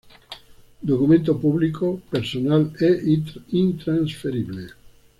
Documento Público, personal e intransferible.